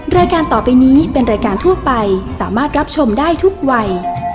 รายการต่อไปนี้เป็นรายการทั่วไปสามารถรับชมได้ทุกวัย